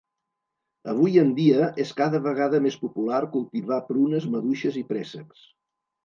Avui en dia, és cada vegada més popular cultivar prunes, maduixes i préssecs.